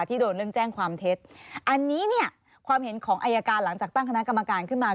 ที่โดนเรื่องแจ้งความเท็จอันนี้เนี่ยความเห็นของอายการหลังจากตั้งคณะกรรมการขึ้นมา